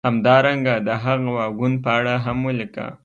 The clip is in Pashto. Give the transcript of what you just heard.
همدارنګه د هغه واګون په اړه هم ولیکه